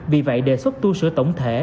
vì vậy đề xuất tu sửa tổng thể